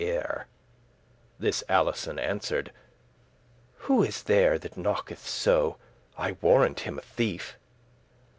*before <40> This Alison answered; "Who is there That knocketh so? I warrant him a thief."